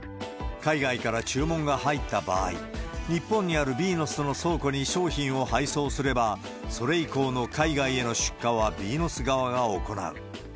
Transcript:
海外から注文が入った場合、日本にあるビーノスの倉庫に商品を配送すれば、それ以降の海外への出荷はビーノス側が行う。